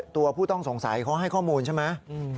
ตัวผู้ต้องสงสัยเขาให้ข้อมูลใช่ไหม